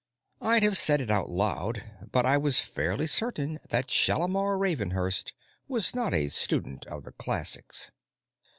I'd have said it out loud, but I was fairly certain that Shalimar Ravenhurst was not a student of the classics.